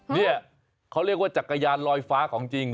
นี่เขาเรียกว่าจักรยานลอยฟ้าของจริง